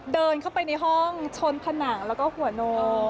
เดินเข้าไปในห้องชนผนังแล้วก็หัวโน